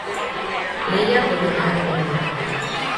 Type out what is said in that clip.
Lehia polita epero da.